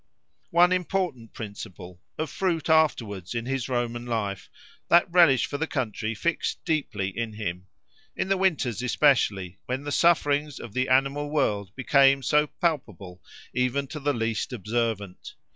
One important principle, of fruit afterwards in his Roman life, that relish for the country fixed deeply in him; in the winters especially, when the sufferings of the animal world became so palpable even to the least observant.